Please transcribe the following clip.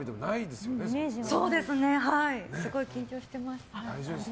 すごい緊張してます。